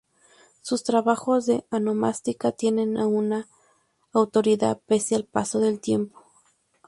Sus trabajos de onomástica tienen aún autoridad pese al paso del tiempo.